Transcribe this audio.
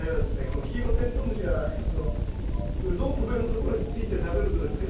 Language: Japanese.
このキイロテントウムシがうどんこ病のところについて食べるとですね